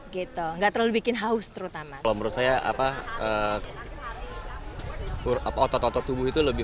gitu enggak terlalu bikin haus terutama kalau menurut saya apa otot otot tubuh itu lebih